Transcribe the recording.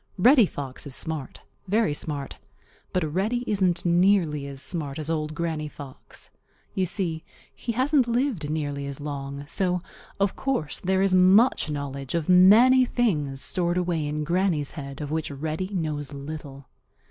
Reddy Fox is smart, very smart. But Reddy isn't nearly as smart as Old Granny Fox. You see, he hasn't lived nearly as long, so of course there is much knowledge of many things stored away in Granny's head of which Reddy knows little.